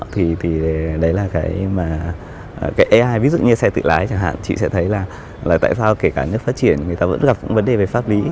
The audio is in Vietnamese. thì đấy là cái mà cái ai ví dụ như xe tự lái chẳng hạn chị sẽ thấy là tại sao kể cả nước phát triển người ta vẫn gặp vấn đề về pháp lý